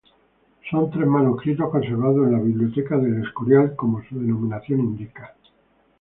Son tres manuscritos conservados en la biblioteca de El Escorial, como su denominación indica.